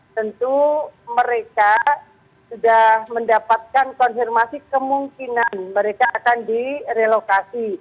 tentu mereka sudah mendapatkan konfirmasi kemungkinan mereka akan direlokasi